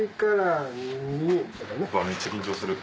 めっちゃ緊張する。